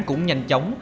cũng nhanh chóng